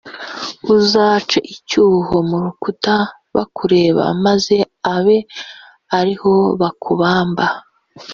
uzace icyuho mu rukuta bakureba maze abe ariho bakubamba.